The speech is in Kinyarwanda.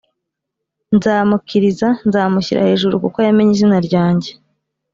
nzamukiriza nzamushyira hejuru kuko yamenye izina ryanjye